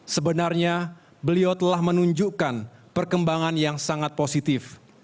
sebenarnya beliau telah menunjukkan perkembangan yang sangat positif